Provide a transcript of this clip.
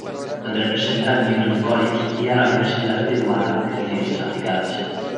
Representa al Newton College y a la Universidad Peruana de Ciencias Aplicadas.